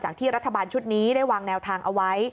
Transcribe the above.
ที่รัฐบาลชุดนี้ได้วางแนวทางเอาไว้